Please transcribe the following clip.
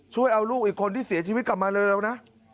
ช่วยเอาลูกอีกคนที่เสียชีวิตกลับมาเร็วนะ